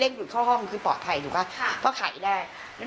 เล็กหลุดเข้าห้องคือปลอดภัยถูกไหมค่ะเพราะไขได้แล้ว